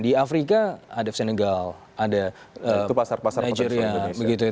di afrika ada senegal ada nigeria